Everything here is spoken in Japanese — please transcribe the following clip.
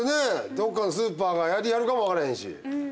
どっかのスーパーがやりはるかも分からへんし。